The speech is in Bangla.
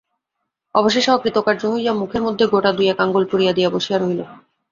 অবশেষে অকৃতকার্য হইয়া মুখের মধ্যে গোটা দুয়েক আঙুল পুরিয়া দিয়া বসিয়া রহিল।